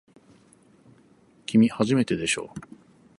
きみ、初めてでしょ。